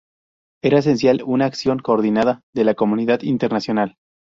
Era esencial una acción coordinada de la comunidad internacional.